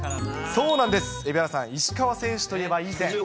そうなんです、蛯原さん、石川選手といえば以前。